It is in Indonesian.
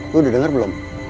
lu udah denger belum